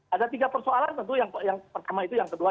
ada tiga persoalan tentu yang pertama itu yang kedua